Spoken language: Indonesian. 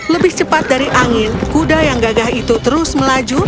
lebih cepat dari angin kuda yang gagah itu terus melaju